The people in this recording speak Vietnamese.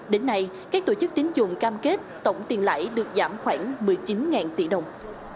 đến nay các tổ chức tín dụng cam kết tổng tiền lãi được giảm khoảng một mươi chín tỷ đồng